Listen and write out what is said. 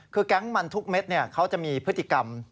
คือแก๊งมันทุกเม็ดเขาจะมีพฤติกรรม